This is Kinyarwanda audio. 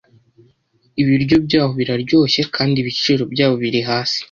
Ibiryo byaho biraryoshye kandi ibiciro byabo biri hasi.